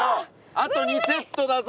あと２セットだぞ！